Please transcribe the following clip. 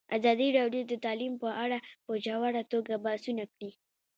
ازادي راډیو د تعلیم په اړه په ژوره توګه بحثونه کړي.